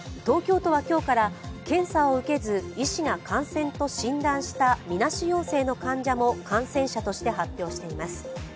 東京都は今日から検査を受けず医師が感染と診断したみなし陽性の患者も感染者として発表しています。